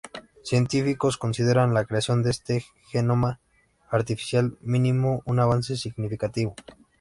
Científicos consideran la creación de este genoma artificial mínimo un avance significativo.